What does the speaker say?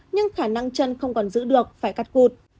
nhưng khả năng chân không còn giữ được phải cắt cụt